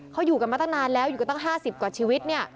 เขาอยู่กันมาตั้งนานแล้วอยู่กันตั้ง๕๐กว่าชีวิตเนี่ย